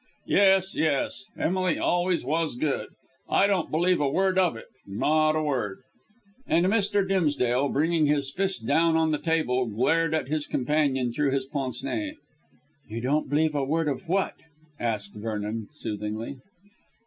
Yes, yes! Emily always was good. I don't believe a word of it, not a word." And Mr. Dimsdale, bringing his fist down on the table, glared at his companion through his pince nez. "You don't believe a word of what?" asked Vernon soothingly.